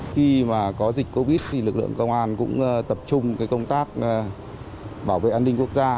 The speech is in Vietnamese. khi mà có dịch covid thì lực lượng công an cũng tập trung công tác bảo vệ an ninh quốc gia